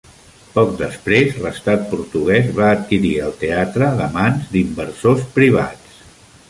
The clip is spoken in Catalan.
Poc després, l'Estat portuguès va adquirir el teatre de mans d'inversors privats.